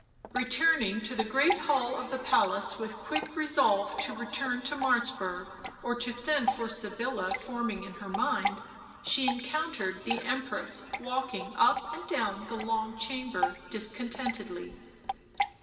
Returning to the great hall of the palace with quick resolve to return to Martzburg or to send for Sybilla forming in her mind, she encountered the Empress walking up and down the long chamber discon tentedly.